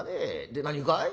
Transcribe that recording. で何かい？